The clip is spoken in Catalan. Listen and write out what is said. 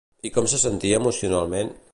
I com se sentia emocionalment?